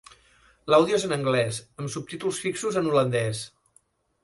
L'àudio és en anglès amb subtítols fixos en holandès.